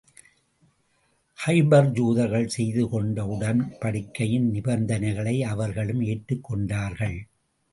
கைபர் யூதர்கள் செய்து கொண்ட உடன்படிக்கையின் நிபந்தனைகளை அவர்களும் ஏற்றுக் கொண்டார்கள்.